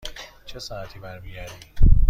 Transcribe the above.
چه ساعتی برمی گردیم؟